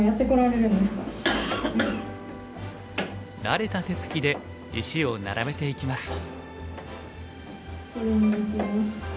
慣れた手つきで石を並べていきます。